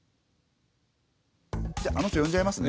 じゃああの人呼んじゃいますね。